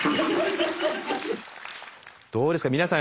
どうですか皆さん